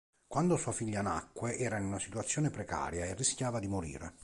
Quando sua figlia nacque, era in una situazione precaria e rischiava di morire.